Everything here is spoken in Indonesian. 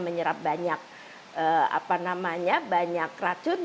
menyerap banyak apa namanya banyak racun